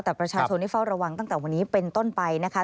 แต่ประชาชนที่เฝ้าระวังตั้งแต่วันนี้เป็นต้นไปนะคะ